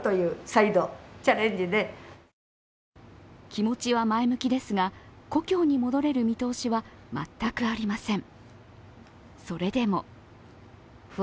気持ちは前向きですが、故郷に戻れる見通しは全くありません。